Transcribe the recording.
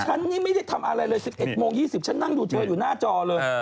ฉันนี่ไม่ได้ทำอะไรเลย๑๑โมง๒๐ฉันนั่งดูเธออยู่หน้าจอเลย